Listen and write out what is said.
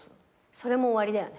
それも終わりだよね。